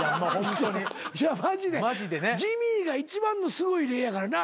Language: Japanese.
いやマジでジミーが一番のすごい例やからな。